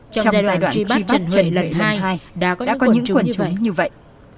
trong giai đoạn truy bắt trần huệ lần hai đã có những quần chúng như vậy